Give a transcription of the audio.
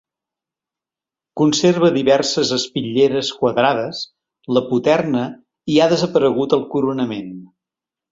Conserva diverses espitlleres quadrades, la poterna i ha desaparegut el coronament.